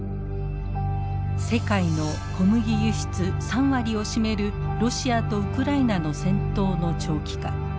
世界の小麦輸出３割を占めるロシアとウクライナの戦闘の長期化。